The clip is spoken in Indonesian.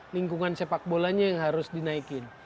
lingkungan sepak bolanya yang harus dinaikin